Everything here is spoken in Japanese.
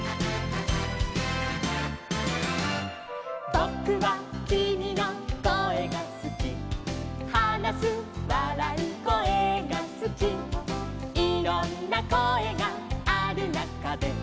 「ぼくはきみのこえがすき」「はなすわらうこえがすき」「いろんなこえがあるなかで」